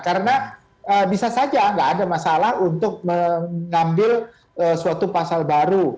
karena bisa saja nggak ada masalah untuk mengambil suatu pasal baru